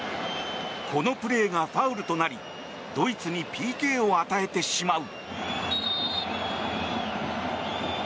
このプレーがファウルとなりドイツにＰＫを与えてしまう。